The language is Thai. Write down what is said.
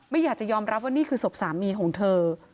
ไม่อยากจะยอมรับว่านี่คือศพสามีของเธอ